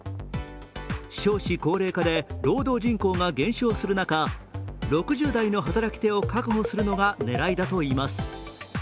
少子高齢化で労働人口が減少する中、６０代の働き手を確保するのが狙いだといいます。